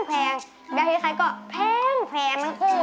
แบลกเฮียดคล้ายก็แพงทั้งคู่เลยครับ